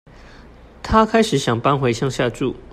她開始想搬回鄉下住